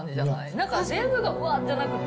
なんか全部がわっじゃなくて。